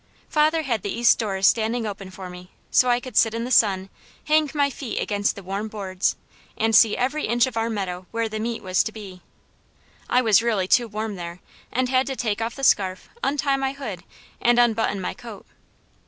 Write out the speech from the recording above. Father had the east doors standing open for me, so I could sit in the sun, hang my feet against the warm boards, and see every inch of our meadow where the meet was to be. I was really too warm there, and had to take off the scarf, untie my hood, and unbutton my coat.